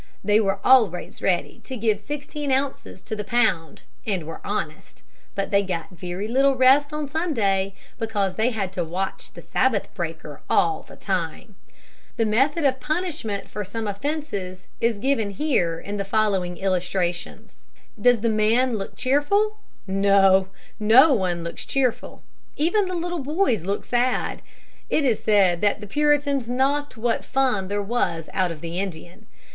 They were always ready to give sixteen ounces to the pound, and were honest, but they got very little rest on Sunday, because they had to watch the Sabbath breaker all the time. [Illustration: PURITAN SNORE ARRESTER.] The method of punishment for some offences is given here. [Illustration: METHODS OF PUNISHMENT.] Does the man look cheerful? No. No one looks cheerful. Even the little boys look sad. It is said that the Puritans knocked what fun there was out of the Indian.